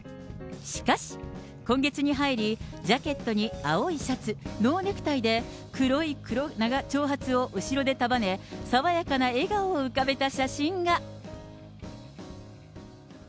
しかし、今月に入り、ジャケットに青いシャツ、ノーネクタイで、黒い長髪を後ろで束ね、爽やかな笑顔を浮かべた写真が。